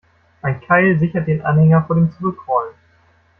Ein Keil sichert den Anhänger vor dem Zurückrollen.